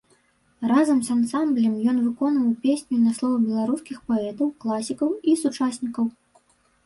Разам з ансамблем ён выконваў песні на словы беларускіх паэтаў, класікаў і сучаснікаў.